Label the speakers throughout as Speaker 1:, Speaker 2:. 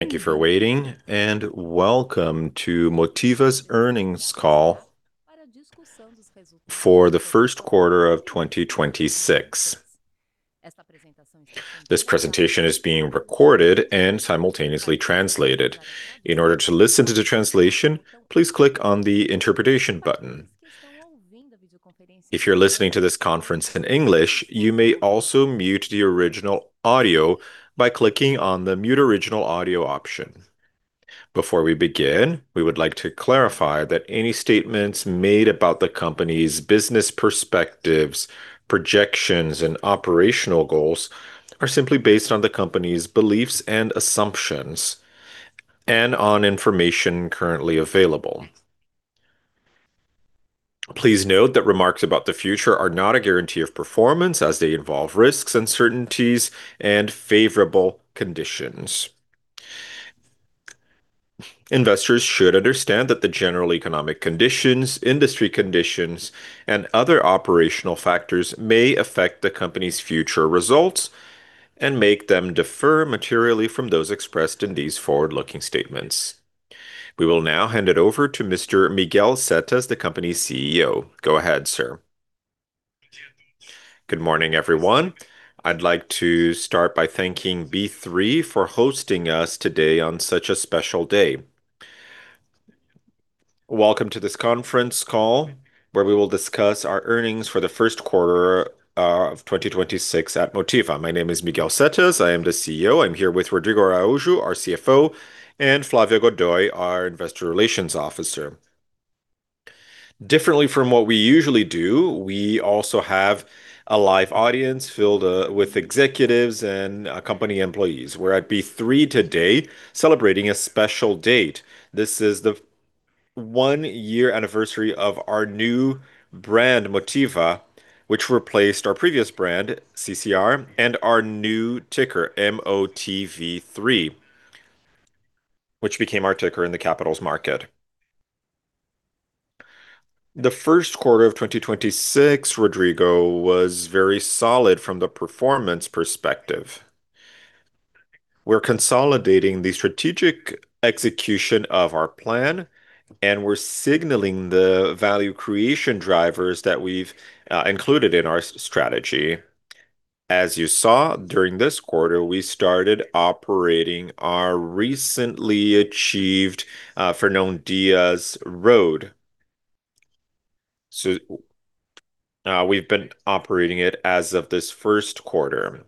Speaker 1: Thank you for waiting, welcome to Motiva's earnings call for the first quarter of 2026. This presentation is being recorded and simultaneously translated. In order to listen to the translation, please click on the interpretation button. If you're listening to this conference in English, you may also mute the original audio by clicking on the mute original audio option. Before we begin, we would like to clarify that any statements made about the company's business perspectives, projections, and operational goals are simply based on the company's beliefs and assumptions and on information currently available. Please note that remarks about the future are not a guarantee of performance as they involve risks, uncertainties and favorable conditions. Investors should understand that the general economic conditions, industry conditions, and other operational factors may affect the company's future results and make them differ materially from those expressed in these forward-looking statements. We will now hand it over to Mr. Miguel Setas, the company's CEO. Go ahead, sir.
Speaker 2: Good morning, everyone. I'd like to start by thanking B3 for hosting us today on such a special day. Welcome to this conference call where we will discuss our earnings for the first quarter of 2026 at Motiva. My name is Miguel Setas, I am the CEO. I'm here with Rodrigo Araujo, our CFO, and Flavia Godoy, our Investor Relations Officer. Differently from what we usually do, we also have a live audience filled with executives and company employees. We're at B3 today celebrating a special date. This is the one year anniversary of our new brand, Motiva, which replaced our previous brand, CCR, and our new ticker, MOTV3, which became our ticker in the capitals market. The first quarter of 2026, Rodrigo, was very solid from the performance perspective. We're consolidating the strategic execution of our plan, and we're signaling the value creation drivers that we've included in our strategy. As you saw during this quarter, we started operating our recently achieved Fernão Dias Road. We've been operating it as of this first quarter,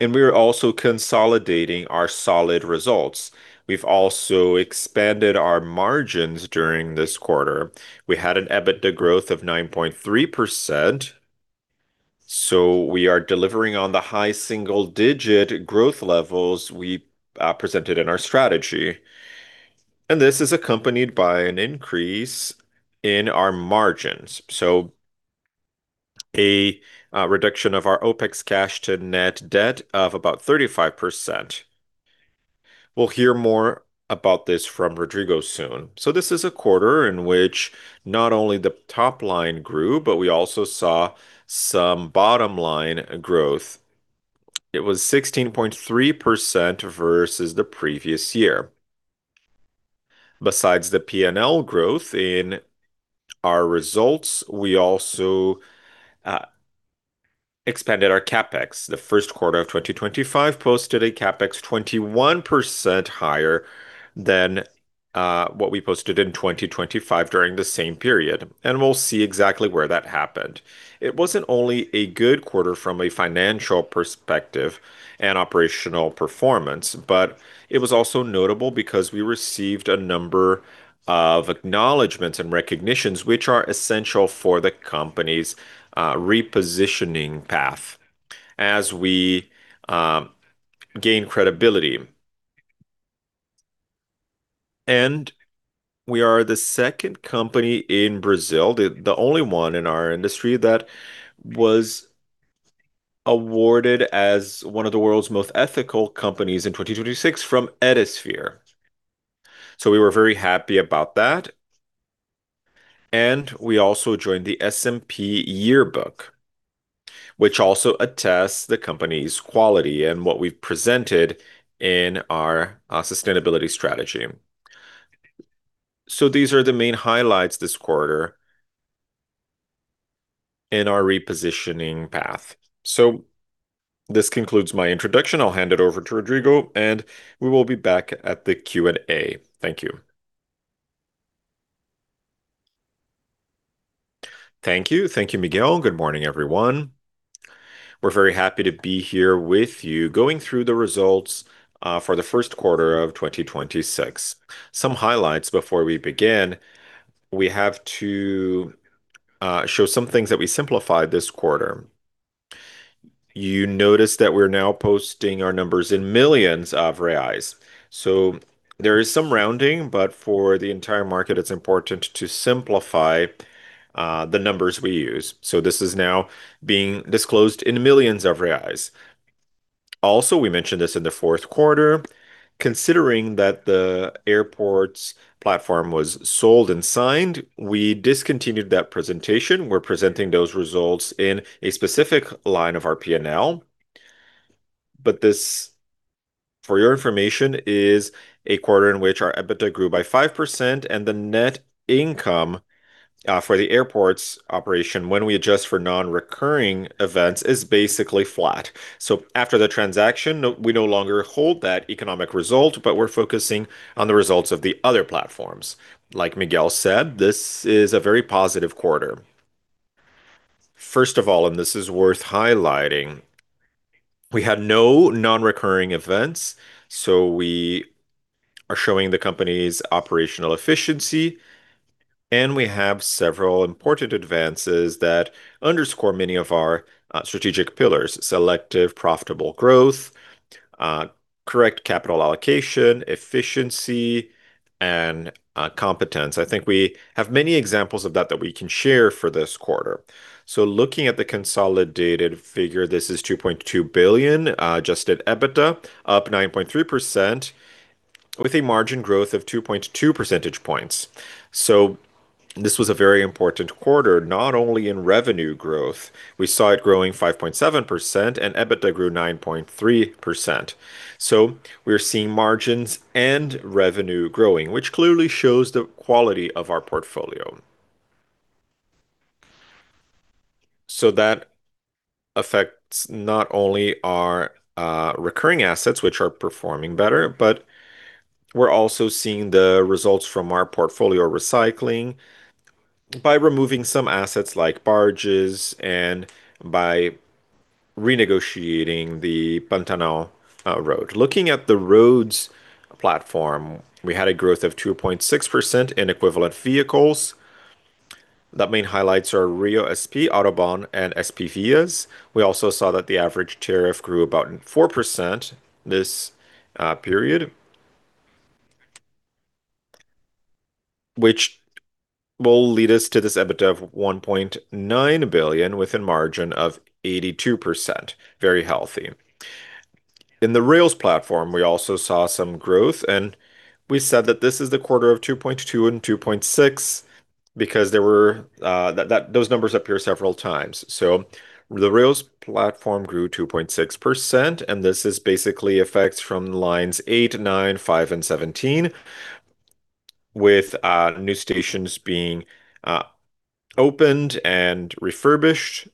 Speaker 2: and we're also consolidating our solid results. We've also expanded our margins during this quarter. We had an EBITDA growth of 9.3%, so we are delivering on the high single digit growth levels we presented in our strategy, and this is accompanied by an increase in our margins, so a reduction of our OpEx cash to net debt of about 35%. We'll hear more about this from Rodrigo soon. This is a quarter in which not only the top line grew, but we also saw some bottom line growth. It was 16.3% versus the previous year. Besides the P&L growth in our results, we also expanded our CapEx. The first quarter of 2025 posted a CapEx 21% higher than what we posted in 2025 during the same period, and we'll see exactly where that happened. It wasn't only a good quarter from a financial perspective and operational performance, but it was also notable because we received a number of acknowledgments and recognitions which are essential for the company's repositioning path as we gain credibility. We are the second company in Brazil, the only one in our industry, that was awarded as one of the World's Most Ethical Companies in 2026 from Ethisphere, so we were very happy about that. We also joined the S&P Yearbook, which also attests the company's quality and what we've presented in our sustainability strategy. These are the main highlights this quarter in our repositioning path. This concludes my introduction. I'll hand it over to Rodrigo, and we will be back at the Q&A. Thank you.
Speaker 3: Thank you. Thank you, Miguel. Good morning, everyone. We're very happy to be here with you going through the results for the first quarter of 2026. Some highlights before we begin. We have to show some things that we simplified this quarter. You notice that we're now posting our numbers in millions of reais, so there is some rounding, but for the entire market, it's important to simplify the numbers we use. This is now being disclosed in millions of reais. We mentioned this in the fourth quarter, considering that the airport's platform was sold and signed, we discontinued that presentation. We're presenting those results in a specific line of our P&L. This, for your information, is a quarter in which our EBITDA grew by 5% and the net income for the airports operation, when we adjust for non-recurring events, is basically flat. After the transaction, we no longer hold that economic result, but we're focusing on the results of the other platforms. Like Miguel said, this is a very positive quarter. First of all, and this is worth highlighting, we had no non-recurring events, so we are showing the company's operational efficiency, and we have several important advances that underscore many of our strategic pillars: selective profitable growth, correct capital allocation, efficiency, and competence. I think we have many examples of that that we can share for this quarter. Looking at the consolidated figure, this is 2.2 billion adjusted EBITDA, up 9.3%, with a margin growth of 2.2 percentage points. This was a very important quarter, not only in revenue growth, we saw it growing 5.7%, and EBITDA grew 9.3%. We're seeing margins and revenue growing, which clearly shows the quality of our portfolio. That affects not only our recurring assets, which are performing better, but we're also seeing the results from our portfolio recycling by removing some assets like barges and by renegotiating the Pantanal Road. Looking at the roads platform, we had a growth of 2.6% in equivalent vehicles. The main highlights are RioSP, AutoBAn, and SPVias. We also saw that the average tariff grew about 4% this period, which will lead us to this EBITDA of 1.9 billion with a margin of 82%. Very healthy. In the rails platform, we also saw some growth, and we said that this is the quarter of 2.2% and 2.6% because those numbers appear several times. The rails platform grew 2.6%, and this is basically effects from Lines eight, nine, five, and 17, with new stations being opened and refurbished.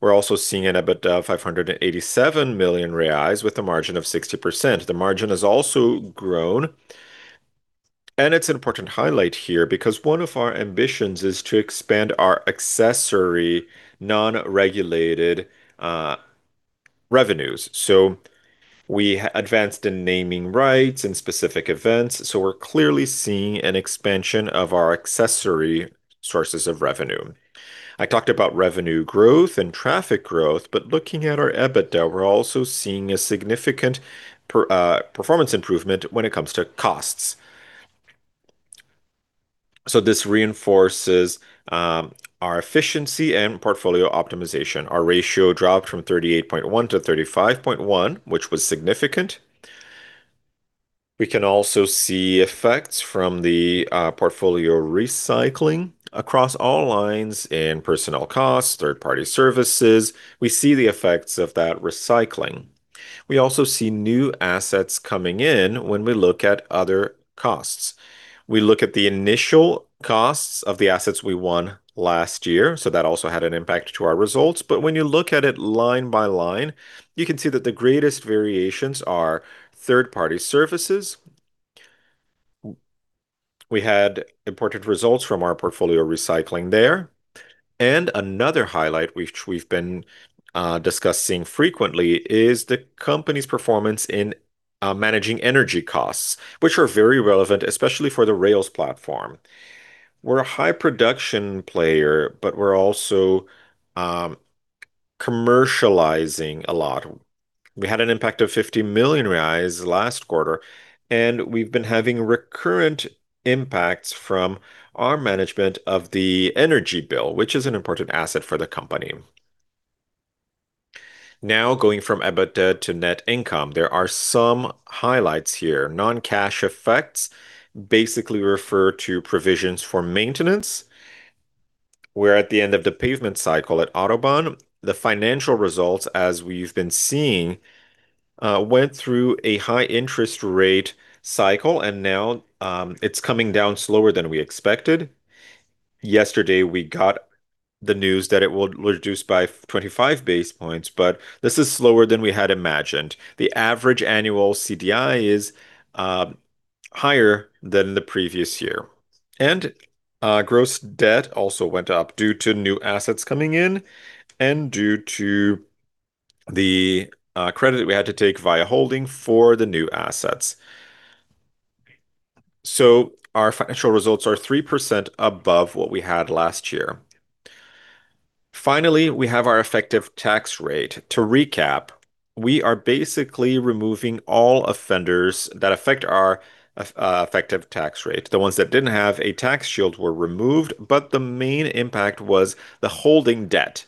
Speaker 3: We are also seeing an EBITDA of 587 million reais with a margin of 60%. The margin has also grown, and it is an important highlight here because one of our ambitions is to expand our accessory non-regulated revenues. We advanced in naming rights and specific events, we're clearly seeing an expansion of our accessory sources of revenue. Looking at our EBITDA, we're also seeing a significant performance improvement when it comes to costs. This reinforces our efficiency and portfolio optimization. Our ratio dropped from 38.1% to 35.1%, which was significant. We can also see effects from the portfolio recycling across all lines in personnel costs, third-party services. We see the effects of that recycling. We also see new assets coming in when we look at other costs. We look at the initial costs of the assets we won last year, that also had an impact to our results. When you look at it line by line, you can see that the greatest variations are third-party services. We had important results from our portfolio recycling there. Another highlight which we've been discussing frequently is the company's performance in managing energy costs, which are very relevant, especially for the rails platform. We're a high production player, but we're also commercializing a lot. We had an impact of 50 million reais last quarter, and we've been having recurrent impacts from our management of the energy bill, which is an important asset for the company. Now, going from EBITDA to net income, there are some highlights here. Non-cash effects basically refer to provisions for maintenance. We're at the end of the pavement cycle at AutoBAn. The financial results, as we've been seeing, went through a high interest rate cycle and now, it's coming down slower than we expected. Yesterday, we got the news that it will reduce by 25 basis points, but this is slower than we had imagined. The average annual CDI is higher than the previous year. Gross debt also went up due to new assets coming in and due to the credit we had to take via holding for the new assets. Our financial results are 3% above what we had last year. Finally, we have our effective tax rate. To recap, we are basically removing all offenders that affect our effective tax rate. The ones that didn't have a tax shield were removed, but the main impact was the holding debt.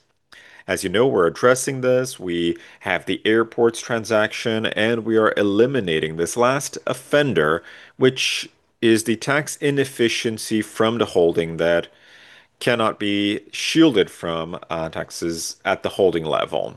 Speaker 3: As you know, we're addressing this. We have the airports transaction, and we are eliminating this last offender, which is the tax inefficiency from the holding that cannot be shielded from taxes at the holding level.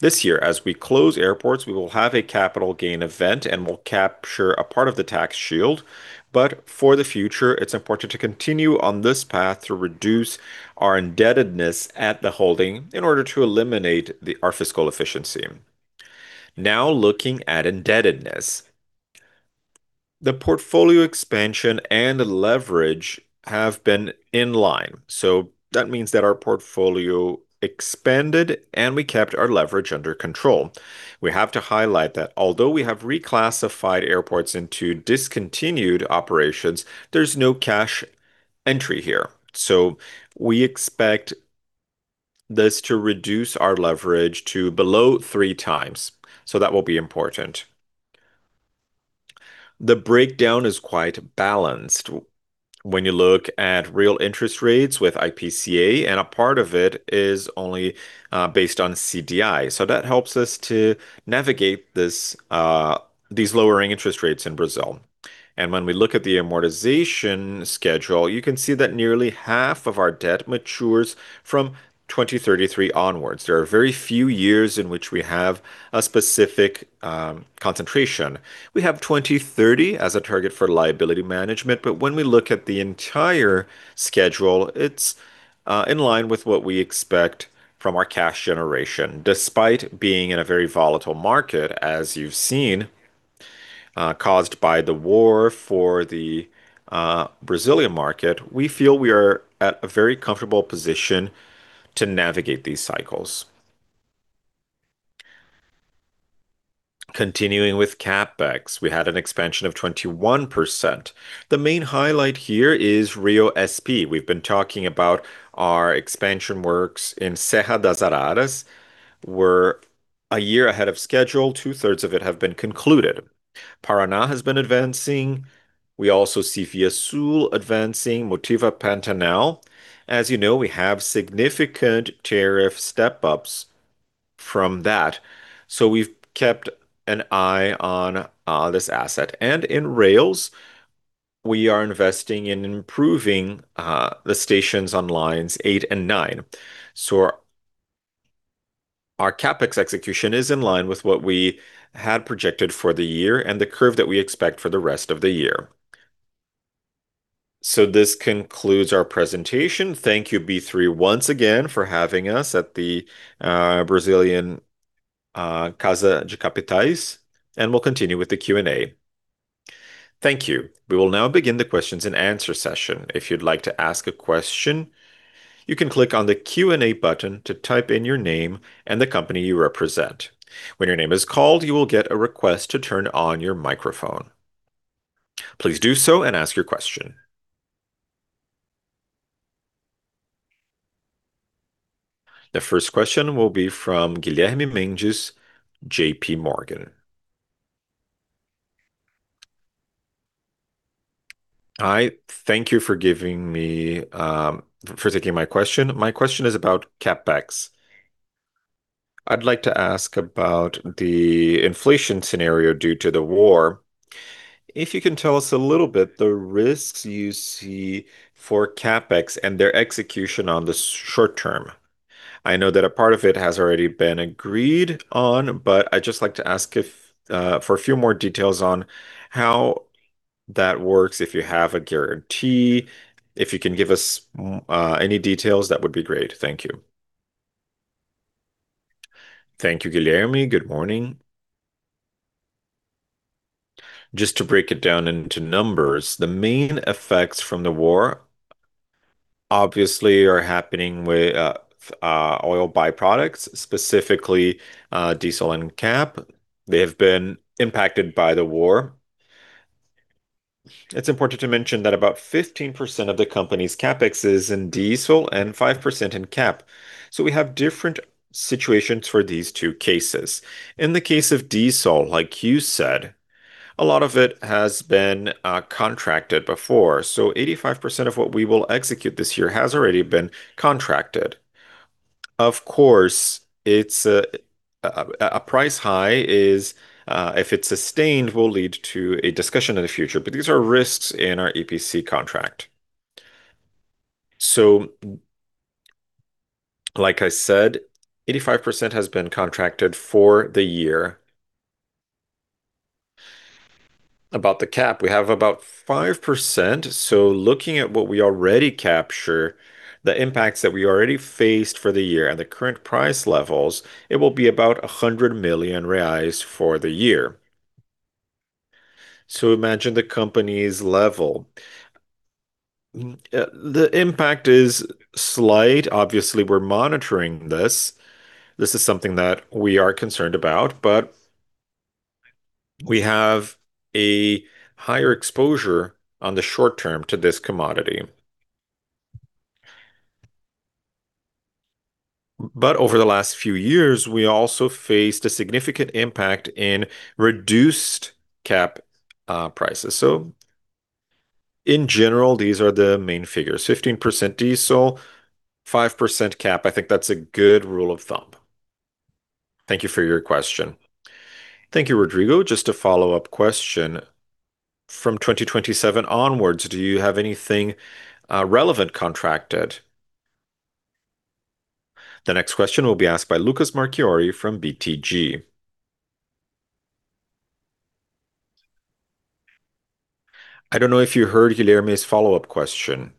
Speaker 3: This year, as we close airports, we will have a capital gain event and will capture a part of the tax shield, but for the future, it's important to continue on this path to reduce our indebtedness at the holding in order to eliminate our fiscal efficiency. Looking at indebtedness. The portfolio expansion and leverage have been in line, so that means that our portfolio expanded and we kept our leverage under control. We have to highlight that although we have reclassified airports into discontinued operations, there's no cash entry here. We expect this to reduce our leverage to below 3x, so that will be important. The breakdown is quite balanced when you look at real interest rates with IPCA, and a part of it is only based on CDI, so that helps us to navigate these lowering interest rates in Brazil. When we look at the amortization schedule, you can see that nearly half of our debt matures from 2033 onwards. There are very few years in which we have a specific concentration. We have 2030 as a target for liability management, but when we look at the entire schedule, it's in line with what we expect from our cash generation. Despite being in a very volatile market, as you've seen, caused by the war for the Brazilian market, we feel we are at a very comfortable position to navigate these cycles. Continuing with CapEx, we had an expansion of 21%. The main highlight here is RioSP. We've been talking about our expansion works in Serra das Araras. We're a year ahead of schedule. Two-thirds of it have been concluded. Paraná has been advancing. We also see Via Sul advancing Motiva Pantanal. As you know, we have significant tariff step-ups from that, we've kept an eye on this asset. In rails, we are investing in improving the stations on Lines eight and nine. Our CapEx execution is in line with what we had projected for the year and the curve that we expect for the rest of the year. This concludes our presentation. Thank you, B3, once again for having us at the Brazilian Casa de Capitais, we'll continue with the Q&A.
Speaker 1: Thank you. We will now begin the questions-and-answer session. If you'd like to ask a question, you can click on the Q&A button to type in your name and the company you represent. When your name is called, you will get a request to turn on your microphone. Please do so and ask your question. The first question will be from Guilherme Mendes, JPMorgan.
Speaker 4: Hi, thank you for taking my question. My question is about CapEx. I'd like to ask about the inflation scenario due to the war. If you can tell us a little bit the risks you see for CapEx and their execution on the short term. I know that a part of it has already been agreed on, but I'd just like to ask if for a few more details on how that works, if you have a guarantee. If you can give us any details, that would be great. Thank you.
Speaker 3: Thank you, Guilherme. Good morning. Just to break it down into numbers, the main effects from the war obviously are happening with oil byproducts, specifically diesel and CAP. They have been impacted by the war. It's important to mention that about 15% of the company's CapEx is in diesel and 5% in CAP. We have different situations for these two cases. In the case of diesel, like you said, a lot of it has been contracted before. 85% of what we will execute this year has already been contracted. Of course, a price high if it's sustained, will lead to a discussion in the future, but these are risks in our EPC contract. Like I said, 85% has been contracted for the year. About the CAP, we have about 5%, looking at what we already capture, the impacts that we already faced for the year and the current price levels, it will be about 100 million reais for the year. Imagine the company's level. The impact is slight. Obviously, we're monitoring this. This is something that we are concerned about, but we have a higher exposure on the short term to this commodity. Over the last few years, we also faced a significant impact in reduced CAP prices. In general, these are the main figures. 15% diesel, 5% CAP. I think that's a good rule of thumb. Thank you for your question.
Speaker 4: Thank you, Rodrigo. Just a follow-up question. From 2027 onwards, do you have anything relevant contracted?
Speaker 1: The next question will be asked by Lucas Marquiori from BTG.
Speaker 5: I don't know if you heard Guilherme's follow-up question.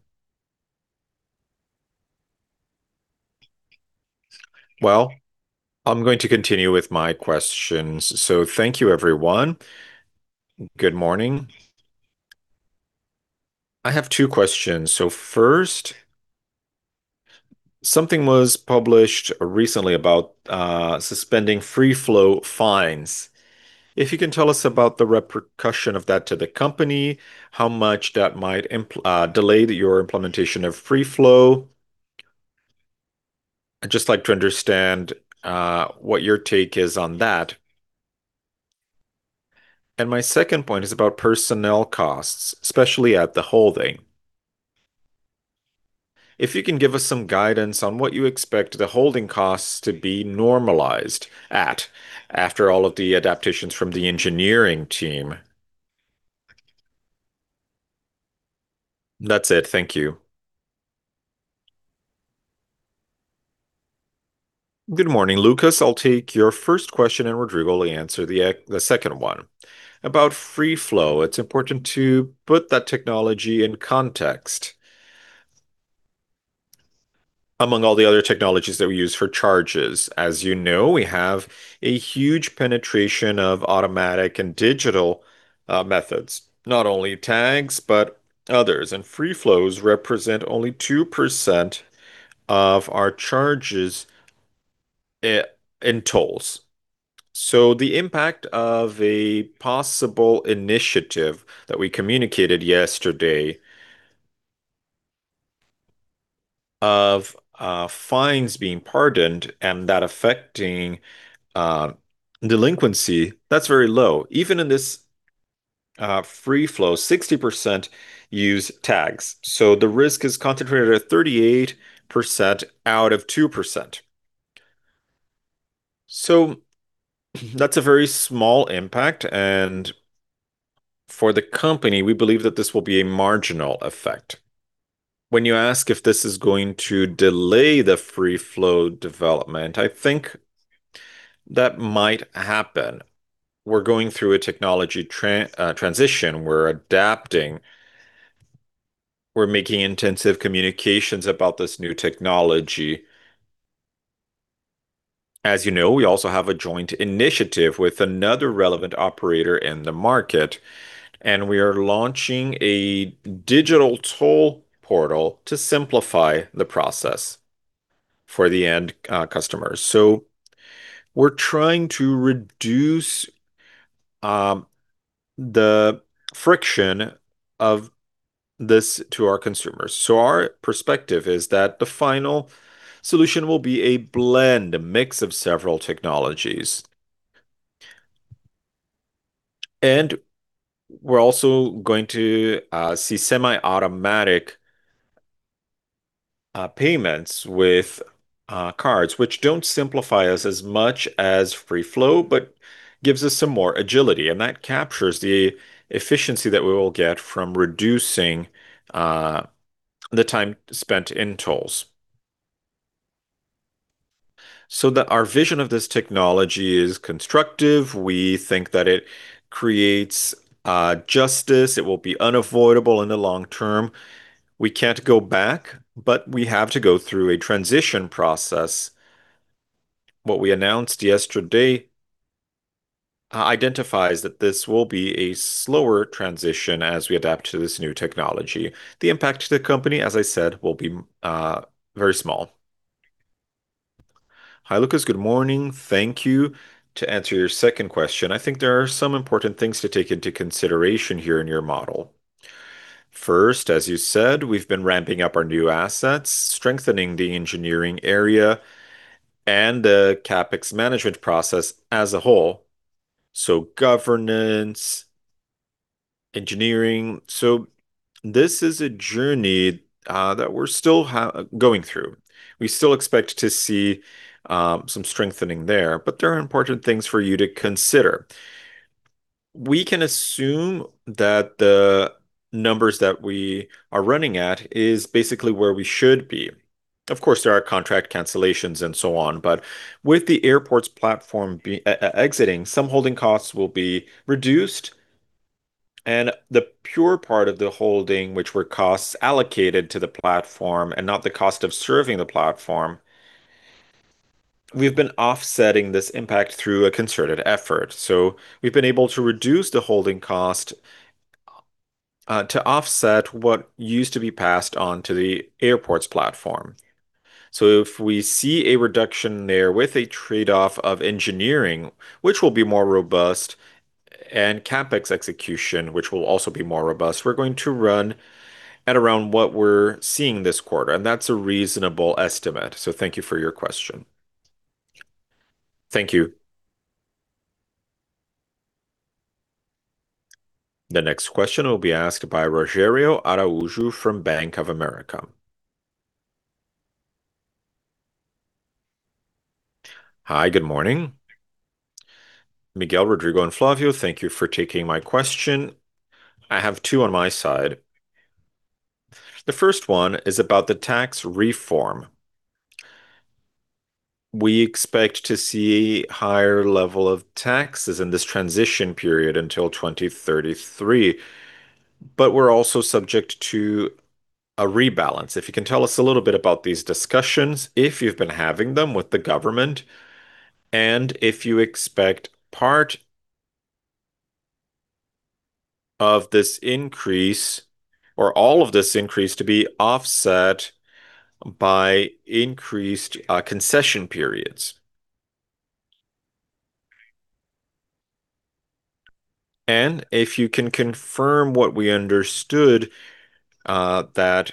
Speaker 5: I'm going to continue with my questions. Thank you everyone. Good morning. I have two questions. First, something was published recently about suspending Free Flow fines. If you can tell us about the repercussion of that to the company, how much that might delay your implementation of Free Flow. I'd just like to understand what your take is on that. My second point is about personnel costs, especially at the holding. If you can give us some guidance on what you expect the holding costs to be normalized at after all of the adaptations from the engineering team. That's it. Thank you.
Speaker 2: Good morning, Lucas. I'll take your first question, and Rodrigo will answer the second one. About Free Flow, it's important to put that technology in context among all the other technologies that we use for charges. As you know, we have a huge penetration of automatic and digital methods, not only tags, but others. Free Flows represent only 2% of our charges in tolls. The impact of a possible initiative that we communicated yesterday of fines being pardoned and that affecting delinquency, that's very low. Even in this Free Flow, 60% use tags, so the risk is concentrated at 38% out of 2%. That's a very small impact, and for the company, we believe that this will be a marginal effect. When you ask if this is going to delay the Free Flow development, I think that might happen. We're going through a technology transition. We're adapting. We're making intensive communications about this new technology. As you know, we also have a joint initiative with another relevant operator in the market, we are launching a digital toll portal to simplify the process for the end customers. We're trying to reduce the friction of this to our consumers. Our perspective is that the final solution will be a blend, a mix of several technologies. We're also going to see semi-automatic payments with cards, which don't simplify us as much as Free Flow, but gives us some more agility, and that captures the efficiency that we will get from reducing the time spent in tolls. Our vision of this technology is constructive. We think that it creates justice. It will be unavoidable in the long term. We can't go back, but we have to go through a transition process. What we announced yesterday identifies that this will be a slower transition as we adapt to this new technology. The impact to the company, as I said, will be very small.
Speaker 3: Hi, Lucas Marquiori. Good morning. Thank you. To answer your 2nd question, I think there are some important things to take into consideration here in your model. 1st, as you said, we've been ramping up our new assets, strengthening the engineering area and the CapEx management process as a whole, so governance, engineering. This is a journey that we're still going through. We still expect to see some strengthening there, but there are important things for you to consider. We can assume that the numbers that we are running at is basically where we should be. There are contract cancellations and so on. With the airports platform exiting, some holding costs will be reduced, and the pure part of the holding, which were costs allocated to the platform and not the cost of serving the platform, we've been offsetting this impact through a concerted effort. We've been able to reduce the holding cost to offset what used to be passed on to the airports platform. If we see a reduction there with a trade-off of engineering, which will be more robust, and CapEx execution, which will also be more robust, we're going to run at around what we're seeing this quarter, and that's a reasonable estimate. Thank you for your question.
Speaker 5: Thank you.
Speaker 1: The next question will be asked by Rogerio Araujo from Bank of America.
Speaker 6: Hi, good morning. Miguel, Rodrigo, and Flavia, thank you for taking my question. I have two on my side. The first one is about the tax reform. We expect to see higher level of taxes in this transition period until 2033, we're also subject to a rebalance. If you can tell us a little bit about these discussions, if you've been having them with the government, and if you expect part of this increase or all of this increase to be offset by increased concession periods. If you can confirm what we understood, that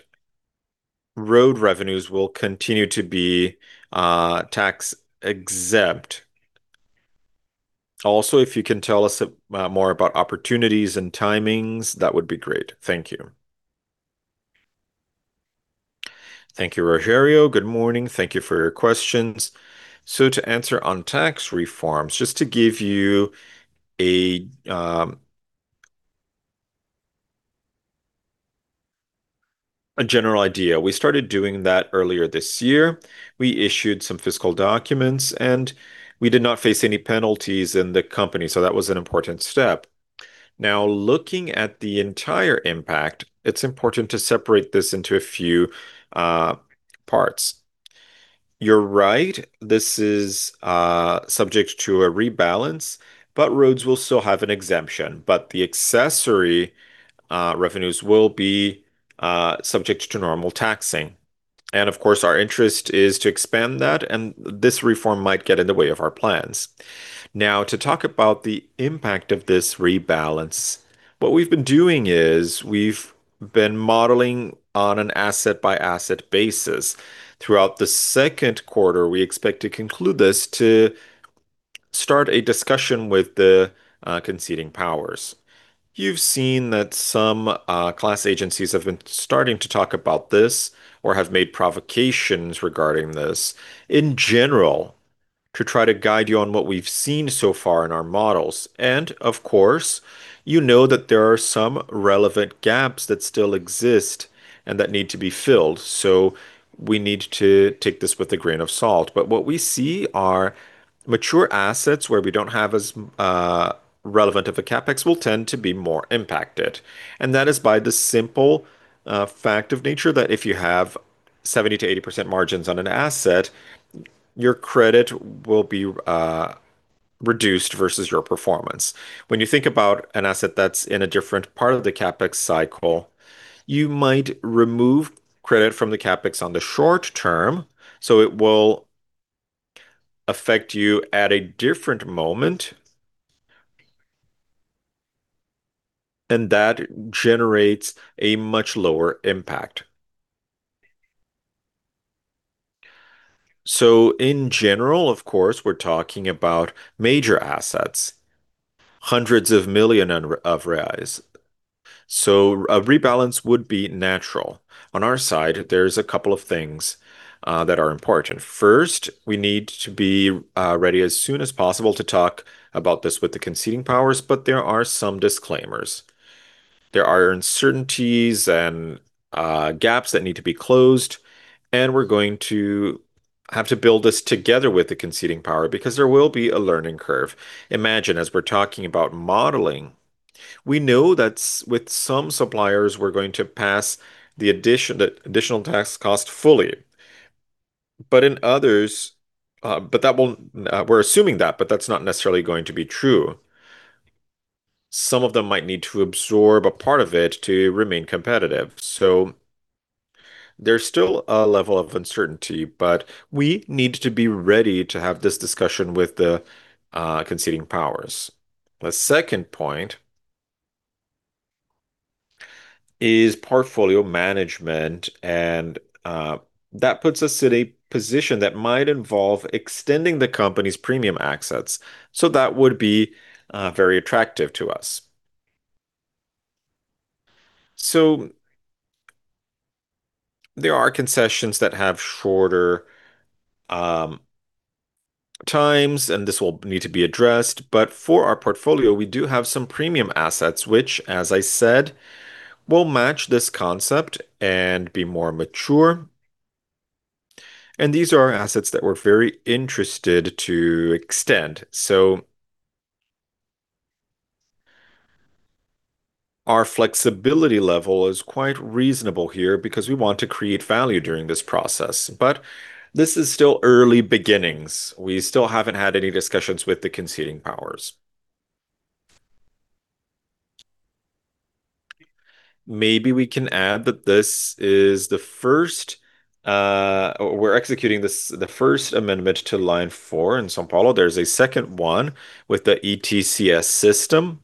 Speaker 6: road revenues will continue to be tax-exempt. Also, if you can tell us more about opportunities and timings, that would be great. Thank you.
Speaker 3: Thank you, Rogerio. Good morning. Thank you for your questions. To answer on tax reforms, just to give you a general idea, we started doing that earlier this year. We issued some fiscal documents, and we did not face any penalties in the company, so that was an important step. Looking at the entire impact, it's important to separate this into a few parts. You're right, this is subject to a rebalance, but roads will still have an exemption. The accessory revenues will be subject to normal taxing. Of course, our interest is to expand that, and this reform might get in the way of our plans. To talk about the impact of this rebalance, what we've been doing is we've been modeling on an asset-by-asset basis. Throughout the second quarter, we expect to conclude this to start a discussion with the conceding powers. You've seen that some class agencies have been starting to talk about this or have made provocations regarding this. In general, to try to guide you on what we've seen so far in our models, and of course, you know that there are some relevant gaps that still exist and that need to be filled, so we need to take this with a grain of salt. What we see are mature assets, where we don't have as relevant of a CapEx, will tend to be more impacted, and that is by the simple fact of nature that if you have 70%-80% margins on an asset, your credit will be reduced versus your performance. When you think about an asset that's in a different part of the CapEx cycle, you might remove credit from the CapEx on the short term, so it will affect you at a different moment, and that generates a much lower impact. In general, of course, we're talking about major assets, hundreds of million reais. A rebalance would be natural. On our side, there's a couple of things that are important. First, we need to be ready as soon as possible to talk about this with the conceding powers. There are some disclaimers. There are uncertainties and gaps that need to be closed. We're going to have to build this together with the conceding power because there will be a learning curve. Imagine, as we're talking about modeling, we know that with some suppliers, we're going to pass the additional tax cost fully. In others, we're assuming that. That's not necessarily going to be true. Some of them might need to absorb a part of it to remain competitive. There's still a level of uncertainty, but we need to be ready to have this discussion with the concession powers. The second point is portfolio management, that puts us in a position that might involve extending the company's premium assets, that would be very attractive to us. There are concessions that have shorter times, and this will need to be addressed. For our portfolio, we do have some premium assets, which as I said, will match this concept and be more mature, and these are assets that we're very interested to extend. Our flexibility level is quite reasonable here because we want to create value during this process. This is still early beginnings. We still haven't had any discussions with the concession powers. We're executing this, the first amendment to Line four in São Paulo. There's a second one with the ETCS system.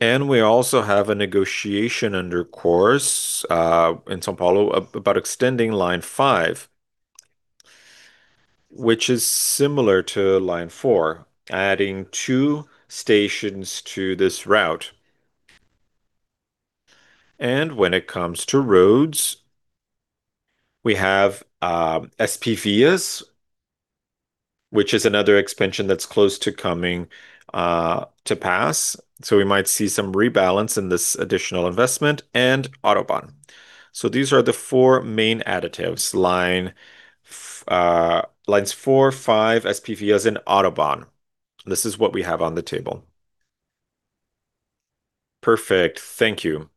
Speaker 3: We also have a negotiation under course in São Paulo about extending Line five, which is similar to Line four, adding two stations to this route. When it comes to roads, we have SPVias, which is another expansion that's close to coming to pass. We might see some rebalance in this additional investment, and AutoBAn. These are the four main additives. Lines four, five, SPVias, and AutoBAn. This is what we have on the table.
Speaker 6: Perfect. Thank you.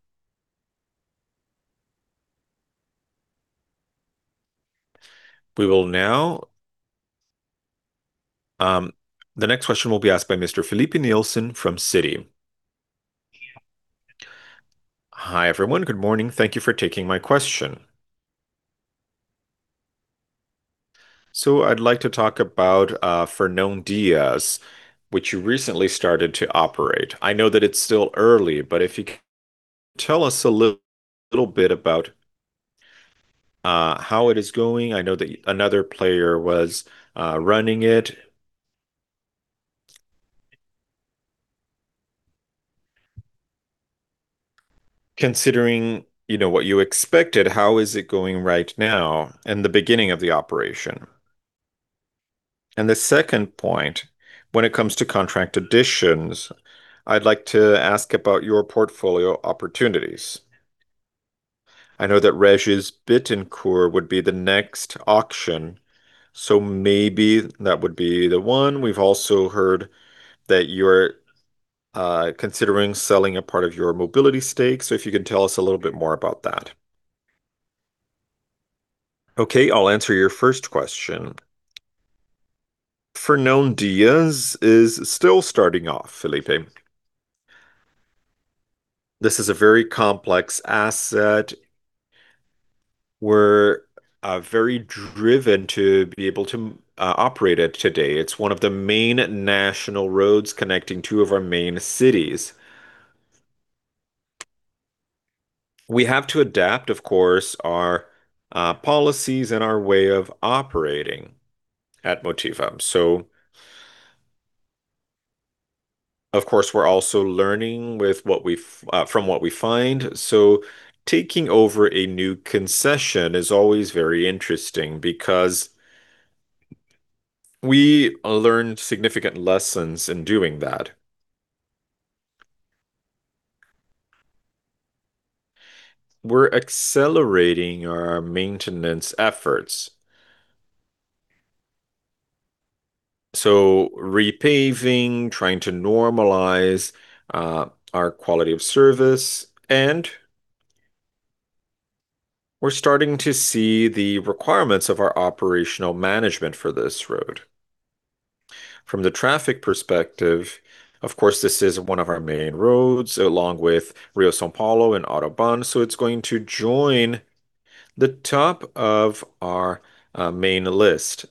Speaker 1: We will now. The next question will be asked by Mr. Filipe Nielsen from Citi.
Speaker 7: Hi, everyone. Good morning. Thank you for taking my question. I'd like to talk about Fernão Dias, which you recently started to operate. I know that it's still early, if you could tell us a little bit about how it is going. I know that another player was running it. Considering, you know, what you expected, how is it going right now in the beginning of the operation? The second point, when it comes to contract additions, I'd like to ask about your portfolio opportunities. I know that Régis Bittencourt would be the next auction, maybe that would be the one. We've also heard that you're considering selling a part of your mobility stake, if you can tell us a little bit more about that.
Speaker 2: Okay, I'll answer your first question. Fernão Dias is still starting off, Filipe. This is a very complex asset. We're very driven to be able to operate it today. It's one of the main national roads connecting two of our main cities. We have to adapt, of course, our policies and our way of operating at Motiva. Of course, we're also learning from what we find. Taking over a new concession is always very interesting because we learned significant lessons in doing that. We're accelerating our maintenance efforts. Repaving, trying to normalize our quality of service, and we're starting to see the requirements of our operational management for this road. From the traffic perspective, of course, this is one of our main roads, along with Rio-São Paulo and AutoBAn, so it's going to join the top of our main list.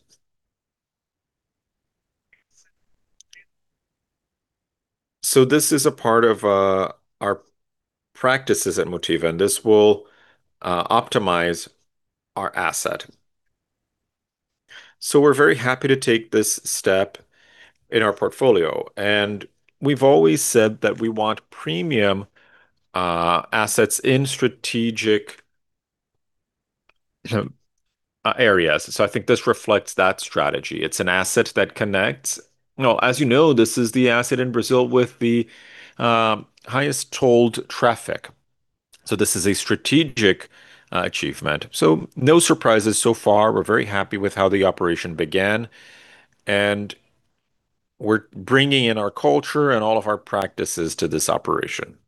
Speaker 2: This is a part of our practices at Motiva, and this will optimize our asset. We're very happy to take this step in our portfolio, and we've always said that we want premium assets in strategic areas. I think this reflects that strategy. It's an asset that connects. Well, as you know, this is the asset in Brazil with the highest tolled traffic. This is a strategic achievement. No surprises so far. We're very happy with how the operation began, and we're bringing in our culture and all of our practices to this operation.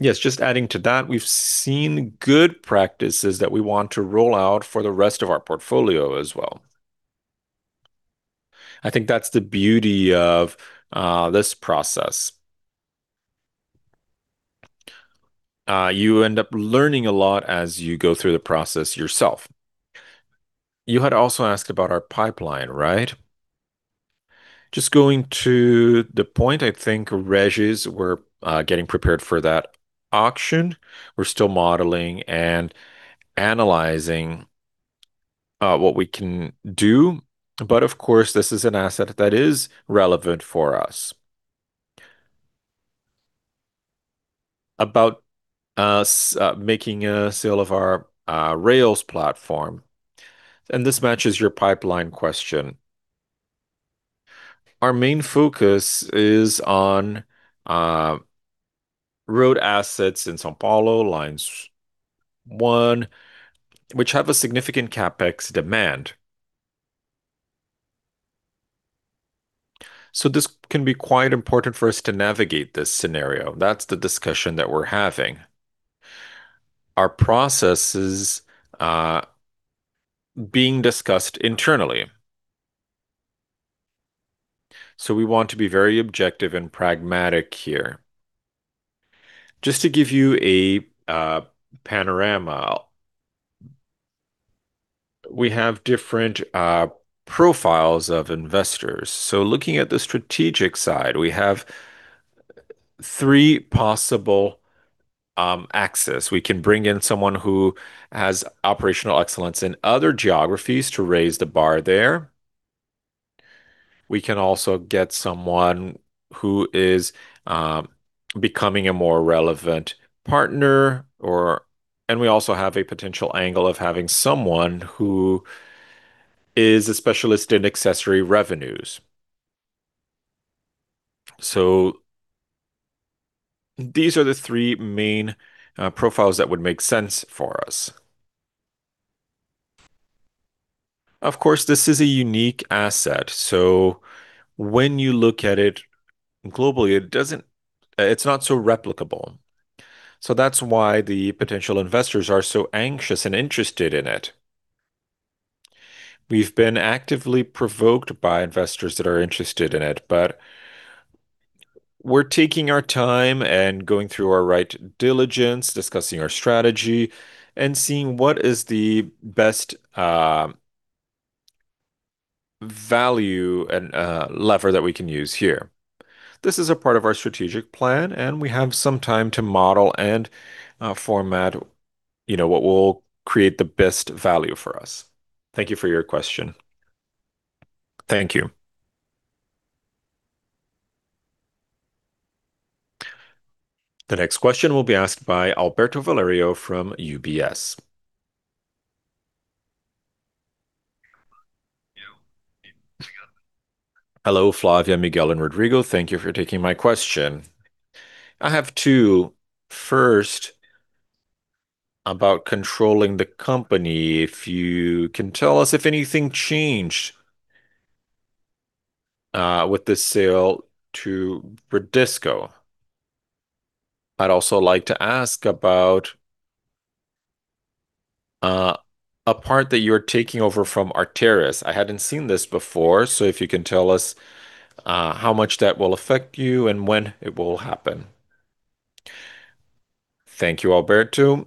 Speaker 3: Yes, just adding to that, we've seen good practices that we want to roll out for the rest of our portfolio as well. I think that's the beauty of this process. You end up learning a lot as you go through the process yourself. You had also asked about our pipeline, right? Just going to the point, I think Régis, we're getting prepared for that auction. We're still modeling and analyzing what we can do. Of course, this is an asset that is relevant for us. About us, making a sale of our rails platform, and this matches your pipeline question. Our main focus is on road assets in São Paulo, Lines one, which have a significant CapEx demand. This can be quite important for us to navigate this scenario. That's the discussion that we're having. Our process is being discussed internally. We want to be very objective and pragmatic here. Just to give you a panorama. We have different profiles of investors. Looking at the strategic side, we have three possible access. We can bring in someone who has operational excellence in other geographies to raise the bar there. We can also get someone who is becoming a more relevant partner or we also have a potential angle of having someone who is a specialist in accessory revenues. These are the three main profiles that would make sense for us. Of course, this is a unique asset, so when you look at it globally, it's not so replicable. That's why the potential investors are so anxious and interested in it. We've been actively provoked by investors that are interested in it, but we're taking our time and going through our right diligence, discussing our strategy, and seeing what is the best value and lever that we can use here. This is a part of our strategic plan, and we have some time to model and format, you know, what will create the best value for us. Thank you for your question.
Speaker 7: Thank you.
Speaker 1: The next question will be asked by Alberto Valerio from UBS.
Speaker 8: Hello, Flavia, Miguel, and Rodrigo. Thank you for taking my question. I have two. First, about controlling the company. If you can tell us if anything changed with the sale to Bradesco. I'd also like to ask about a part that you're taking over from Arteris. I hadn't seen this before, so if you can tell us how much that will affect you and when it will happen.
Speaker 2: Thank you, Alberto.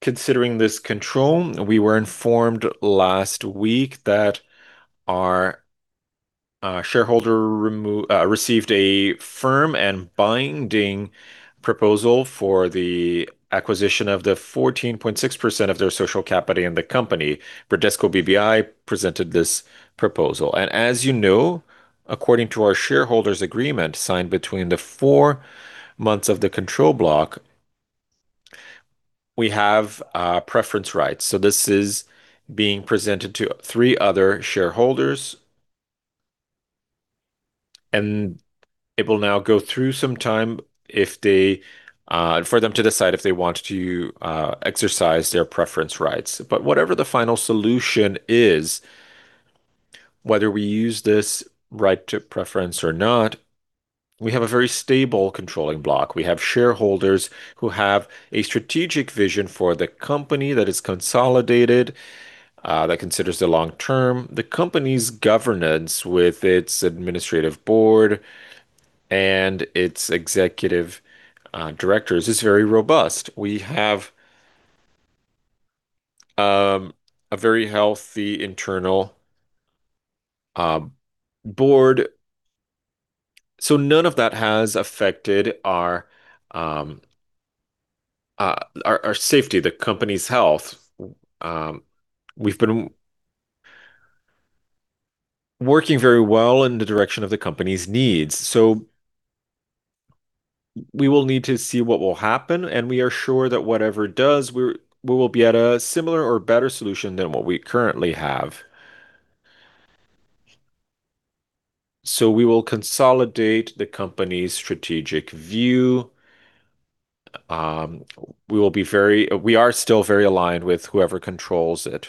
Speaker 2: Considering this control, we were informed last week that our shareholder received a firm and binding proposal for the acquisition of the 14.6% of their social capital in the company. Bradesco BBI presented this proposal. As you know, according to our shareholders' agreement signed between the four months of the control block, we have preference rights. This is being presented to three other shareholders, and it will now go through some time if they for them to decide if they want to exercise their preference rights. Whatever the final solution is, whether we use this right to preference or not, we have a very stable controlling block. We have shareholders who have a strategic vision for the company that is consolidated, that considers the long term. The company's governance with its administrative board and its executive directors is very robust. We have a very healthy internal board. None of that has affected our safety, the company's health. We've been working very well in the direction of the company's needs. We will need to see what will happen, and we are sure that whatever does, we will be at a similar or better solution than what we currently have. We will consolidate the company's strategic view. We are still very aligned with whoever controls it.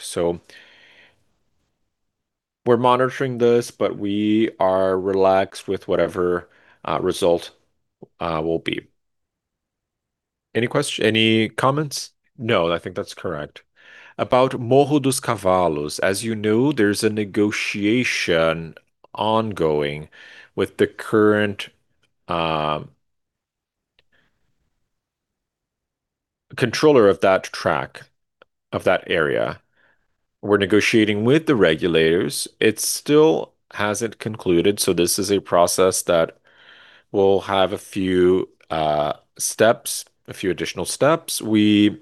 Speaker 2: We're monitoring this, but we are relaxed with whatever result will be. Any comments?
Speaker 3: No, I think that's correct.
Speaker 2: About Morro dos Cavalos, as you know, there's a negotiation ongoing with the current controller of that track, of that area. We're negotiating with the regulators. It still hasn't concluded, this is a process that will have a few steps, a few additional steps. We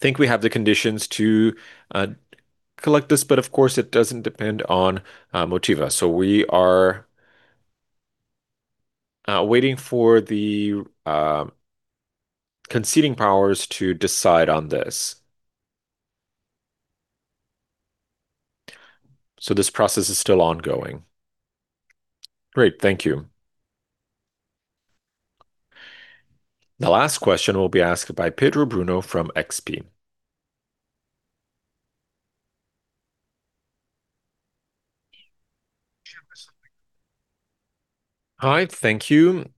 Speaker 2: think we have the conditions to collect this, but of course, it doesn't depend on Motiva. We are waiting for the conceding powers to decide on this. This process is still ongoing.
Speaker 8: Great. Thank you.
Speaker 1: The last question will be asked by Pedro Bruno from XP.
Speaker 9: Hi. Thank you.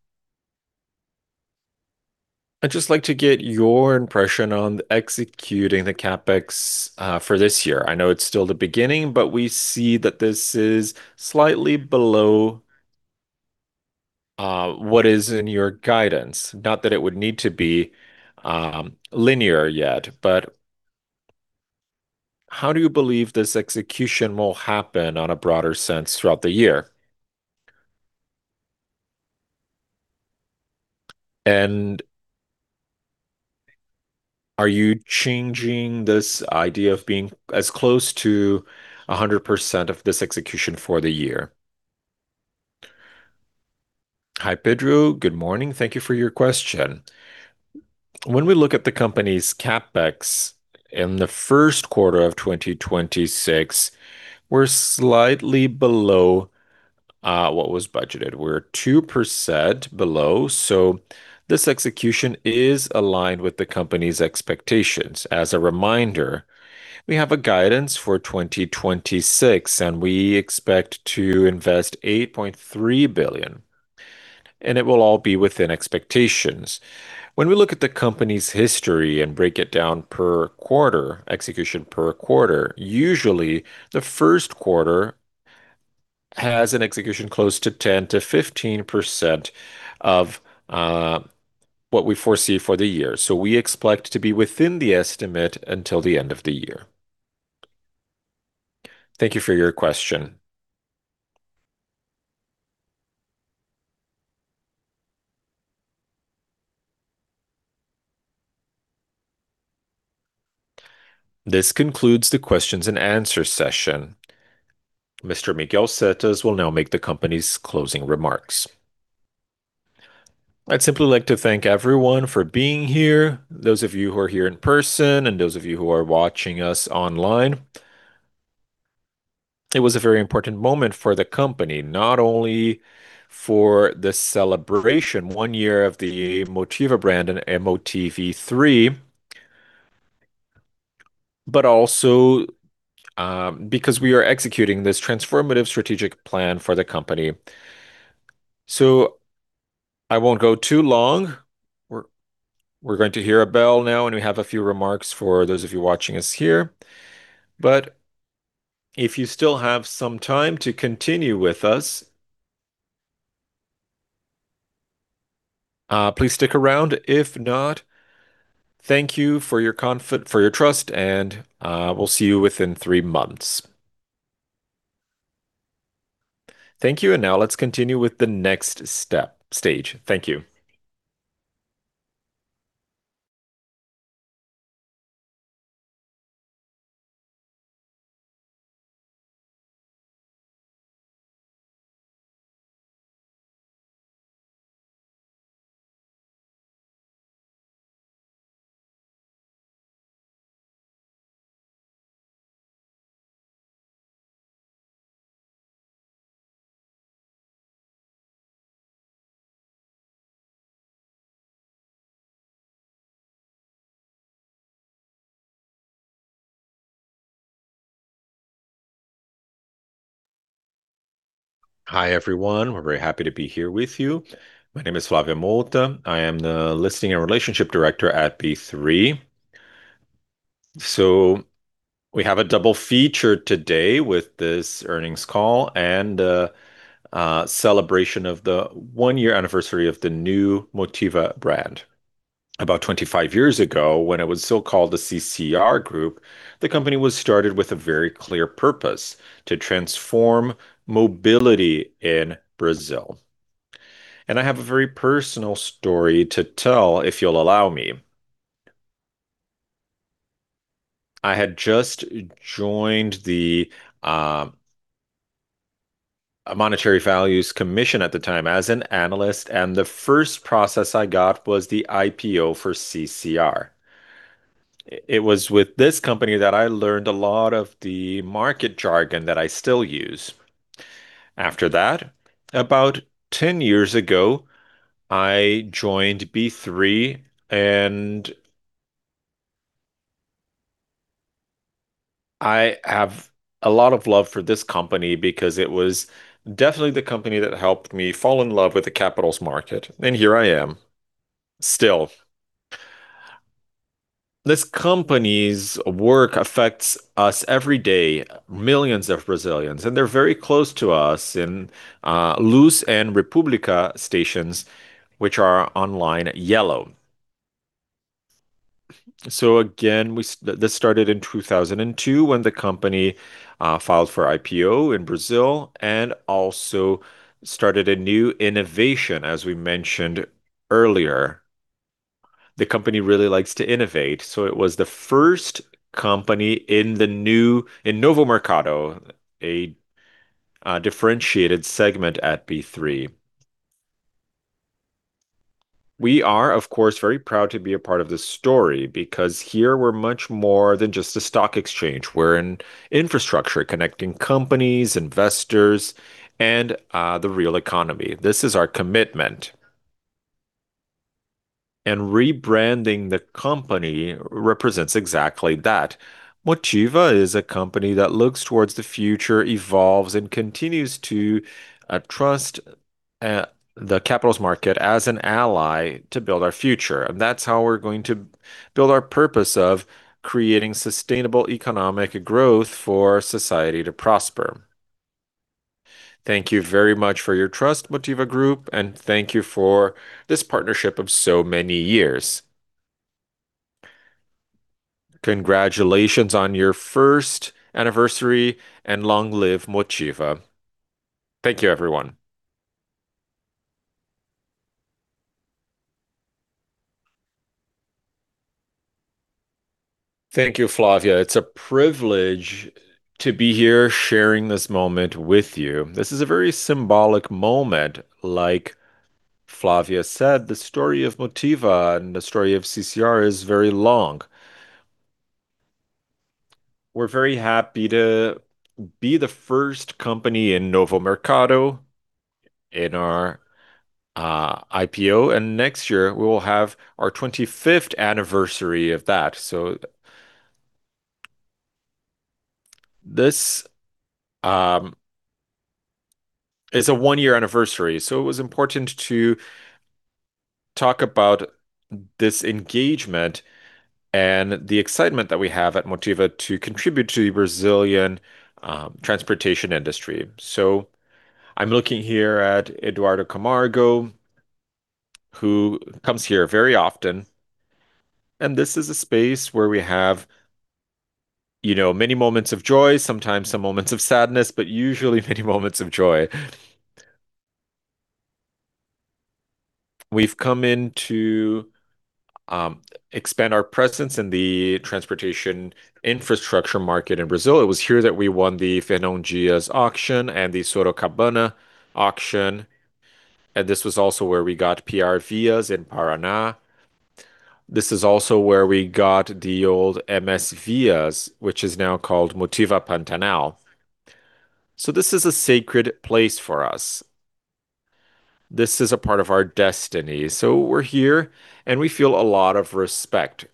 Speaker 9: I'd just like to get your impression on executing the CapEx for this year. I know it's still the beginning, but we see that this is slightly below what is in your guidance? Not that it would need to be linear yet, but how do you believe this execution will happen on a broader sense throughout the year? Are you changing this idea of being as close to 100% of this execution for the year?
Speaker 3: Hi, Pedro. Good morning. Thank you for your question. When we look at the company's CapEx in the first quarter of 2026, we're slightly below what was budgeted. We're 2% below, this execution is aligned with the company's expectations. As a reminder, we have a guidance for 2026, and we expect to invest 8.3 billion, and it will all be within expectations. When we look at the company's history and break it down per quarter, execution per quarter, usually the first quarter has an execution close to 10%-15% of what we foresee for the year. We expect to be within the estimate until the end of the year. Thank you for your question.
Speaker 1: This concludes the questions-and-answers session. Mr. Miguel Setas will now make the company's closing remarks.
Speaker 2: I'd simply like to thank everyone for being here, those of you who are here in person and those of you who are watching us online. It was a very important moment for the company, not only for the celebration, one year of the Motiva brand and MOTV3, but also, because we are executing this transformative strategic plan for the company. I won't go too long. We're, we're going to hear a bell now, and we have a few remarks for those of you watching us here. If you still have some time to continue with us, please stick around. If not, thank you for your trust, and we'll see you within three months. Thank you. Now let's continue with the next stage. Thank you.
Speaker 10: Hi, everyone. We're very happy to be here with you. My name is Flavia Mouta. I am the Listing and Relationship Director at B3. We have a double feature today with this earnings call and a celebration of the one-year anniversary of the new Motiva brand. About 25 years ago, when it was so-called the CCR Group, the company was started with a very clear purpose, to transform mobility in Brazil. I have a very personal story to tell, if you'll allow me. I had just joined the Monetary Values Commission at the time as an analyst, and the first process I got was the IPO for CCR. It was with this company that I learned a lot of the market jargon that I still use. After that, about 10 years ago, I joined B3, and I have a lot of love for this company because it was definitely the company that helped me fall in love with the capitals market, and here I am still. This company's work affects us every day, millions of Brazilians, and they're very close to us in Luz and República stations, which are on Line Yellow. Again, this started in 2002 when the company filed for IPO in Brazil and also started a new innovation, as we mentioned earlier. The company really likes to innovate, so it was the first company in Novo Mercado, a differentiated segment at B3. We are, of course, very proud to be a part of this story because here we're much more than just a stock exchange. We're an infrastructure connecting companies, investors, and the real economy. This is our commitment. Rebranding the company represents exactly that. Motiva is a company that looks towards the future, evolves, and continues to trust the capitals market as an ally to build our future. That's how we're going to build our purpose of creating sustainable economic growth for society to prosper. Thank you very much for your trust, Motiva Group, and thank you for this partnership of so many years. Congratulations on your first anniversary, and long live Motiva. Thank you, everyone.
Speaker 2: Thank you, Flavia. It's a privilege to be here sharing this moment with you. This is a very symbolic moment. Like Flavia said, the story of Motiva and the story of CCR is very long. We're very happy to be the first company in Novo Mercado in our IPO, and next year we will have our 25th anniversary of that. This is a one-year anniversary, it was important to talk about this engagement and the excitement that we have at Motiva to contribute to the Brazilian transportation industry. I'm looking here at Eduardo Camargo, who comes here very often, and this is a space where we have, you know, many moments of joy, sometimes some moments of sadness, but usually many moments of joy. We've come in to expand our presence in the transportation infrastructure market in Brazil. It was here that we won the Fernão Dias auction and the Sorocabana auction, and this was also where we got PR Vias in Paraná. This is also where we got the old MS Vias, which is now called Motiva Pantanal. This is a sacred place for us. This is a part of our destiny. We're here, and we feel a lot of respect.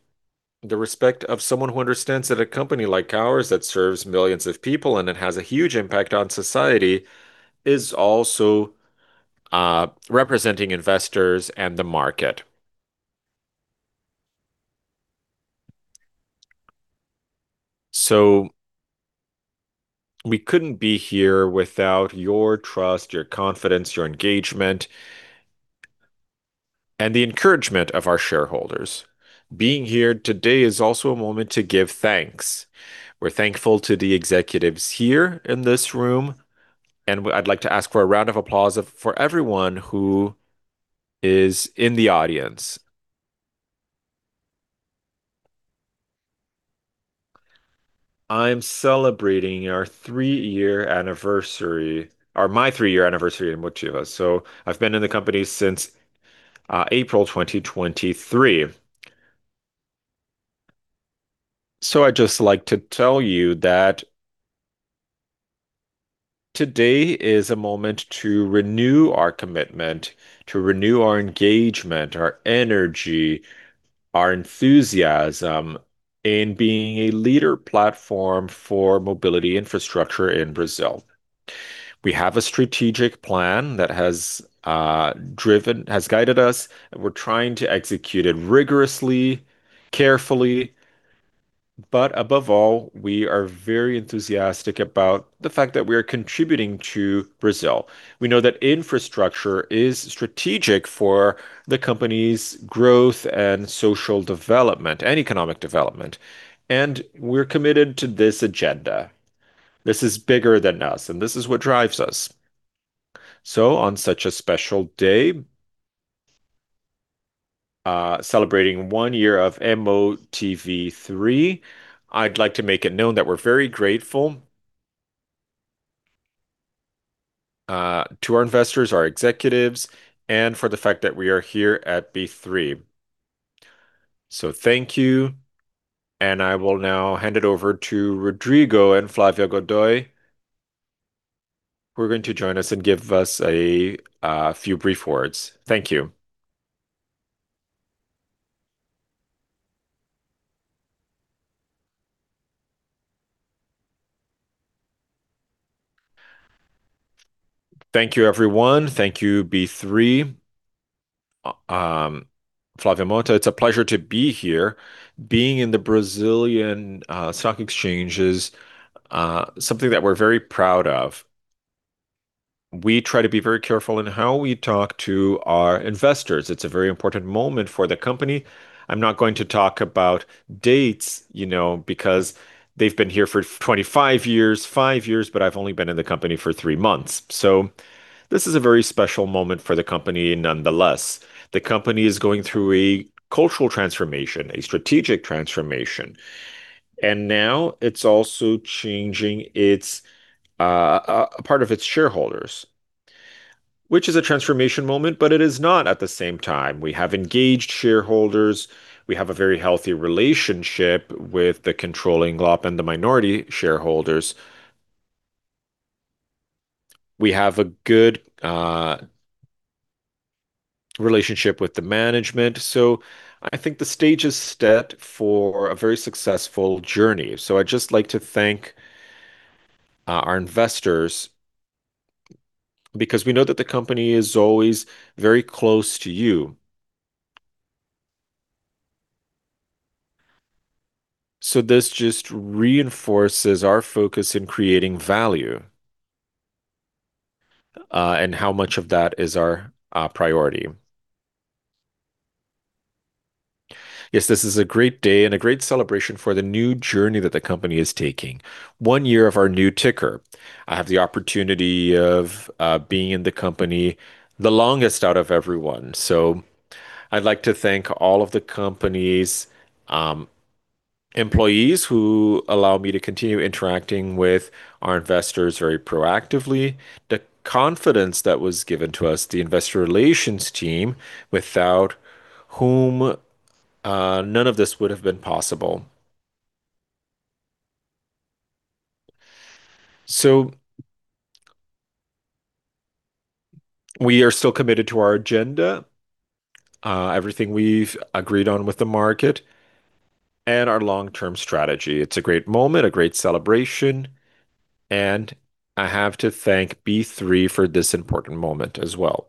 Speaker 2: The respect of someone who understands that a company like ours that serves millions of people and it has a huge impact on society is also representing investors and the market. We couldn't be here without your trust, your confidence, your engagement, and the encouragement of our shareholders. Being here today is also a moment to give thanks. We're thankful to the executives here in this room, and I'd like to ask for a round of applause for everyone who is in the audience. I'm celebrating our three-year anniversary, or my three-year anniversary in Motiva, so I've been in the company since April 2023. I'd just like to tell you that today is a moment to renew our commitment, to renew our engagement, our energy, our enthusiasm in being a leader platform for mobility infrastructure in Brazil. We have a strategic plan that has driven, has guided us. We're trying to execute it rigorously, carefully, but above all, we are very enthusiastic about the fact that we are contributing to Brazil. We know that infrastructure is strategic for the company's growth and social development and economic development, and we're committed to this agenda. This is bigger than us, and this is what drives us. On such a special day, celebrating one year of MOTV3, I'd like to make it known that we're very grateful to our investors, our executives, and for the fact that we are here at B3. Thank you, and I will now hand it over to Rodrigo and Flavia Godoy, who are going to join us and give us a few brief words. Thank you.
Speaker 3: Thank you, everyone. Thank you, B3. Flavia Mouta, it's a pleasure to be here. Being in the Brazilian Stock Exchange is something that we're very proud of. We try to be very careful in how we talk to our investors. It's a very important moment for the company. I'm not going to talk about dates, you know, because they've been here for 25 years, five years, but I've only been in the company for three months. This is a very special moment for the company nonetheless. The company is going through a cultural transformation, a strategic transformation, and now it's also changing its a part of its shareholders, which is a transformation moment, but it is not at the same time. We have engaged shareholders. We have a very healthy relationship with the controlling law and the minority shareholders. We have a good relationship with the management, so I think the stage is set for a very successful journey. I'd just like to thank our investors because we know that the company is always very close to you. This just reinforces our focus in creating value, and how much of that is our priority. Yes, this is a great day and a great celebration for the new journey that the company is taking. One year of our new ticker. I have the opportunity of being in the company the longest out of everyone. I'd like to thank all of the company's employees who allow me to continue interacting with our investors very proactively, the confidence that was given to us, the investor relations team, without whom none of this would have been possible. We are still committed to our agenda, everything we've agreed on with the market and our long-term strategy. It's a great moment, a great celebration. I have to thank B3 for this important moment as well.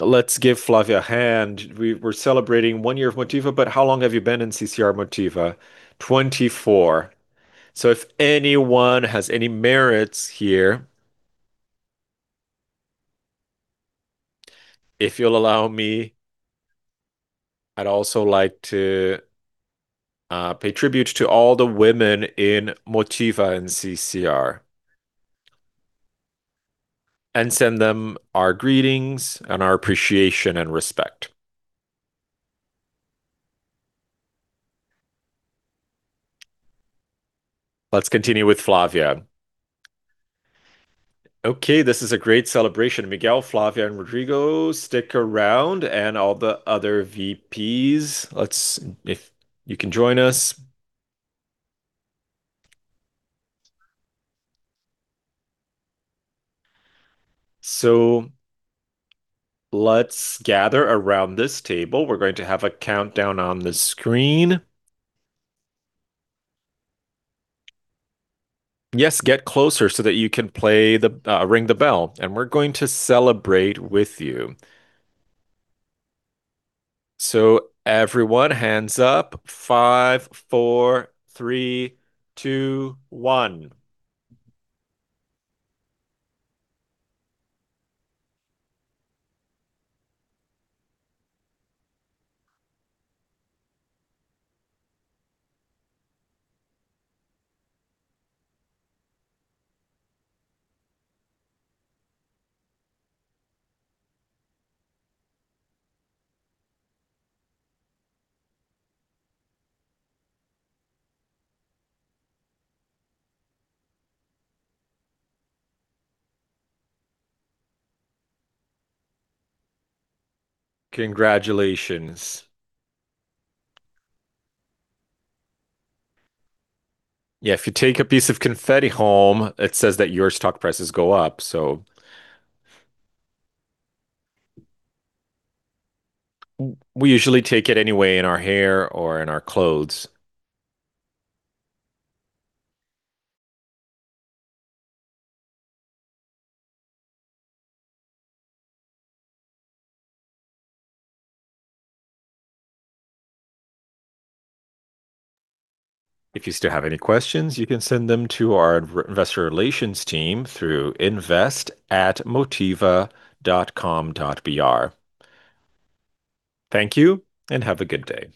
Speaker 3: Let's give Flavia a hand. We're celebrating one year of Motiva, but how long have you been in CCR Motiva?
Speaker 11: 24. If anyone has any merits here. If you'll allow me, I'd also like to pay tribute to all the women in Motiva and CCR and send them our greetings and our appreciation and respect. Let's continue with Flavia.
Speaker 10: This is a great celebration. Miguel, Flavia, and Rodrigo, stick around, and all the other VPs. If you can join us. Let's gather around this table. We're going to have a countdown on the screen. Yes, get closer so that you can play the ring the bell, and we're going to celebrate with you. Everyone, hands up. Five, four, three, two, one. Congratulations. Yeah, if you take a piece of confetti home, it says that your stock prices go up. We usually take it anyway in our hair or in our clothes.
Speaker 1: If you still have any questions, you can send them to our investor relations team through invest@motiva.com.br. Thank you, and have a good day.